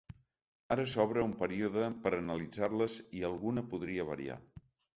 Ara s’obre un període per a analitzar-les i alguna podria variar.